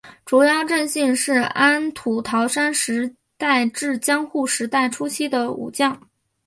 竹腰正信是安土桃山时代至江户时代初期的武将。